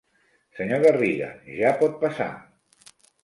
Senyor Garriga, ja pot passar.